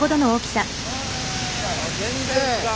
全然違う。